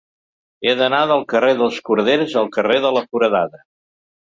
He d'anar del carrer dels Corders al carrer de la Foradada.